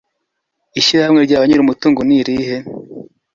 Ishyirahamwe rya ba nyir umutungo nirihe?